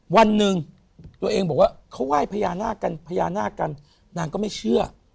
วันหนึ่งตัวเองบอกว่าเขาไหว้พญานาคกันพญานาคกันนางก็ไม่เชื่อ